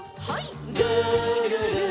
「るるる」